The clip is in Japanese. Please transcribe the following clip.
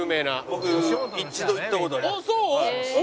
僕一度行った事あります。